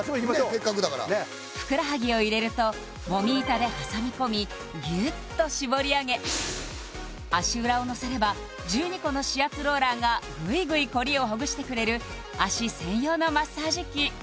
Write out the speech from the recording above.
せっかくだからふくらはぎを入れるともみ板で挟み込みギュッとしぼり上げ足裏をのせれば１２個の指圧ローラーがグイグイコリをほぐしてくれる足専用のマッサージ機